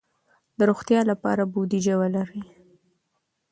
د روغتیا لپاره بودیجه ولرئ.